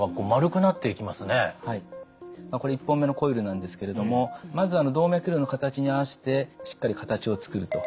これ１本目のコイルなんですけれどもまず動脈瘤の形に合わせてしっかり形を作ると。